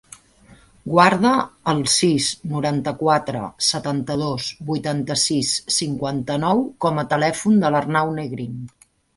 Guarda el sis, noranta-quatre, setanta-dos, vuitanta-sis, cinquanta-nou com a telèfon de l'Arnau Negrin.